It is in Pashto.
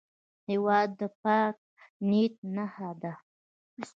هېواد د پاک نیت نښه ده.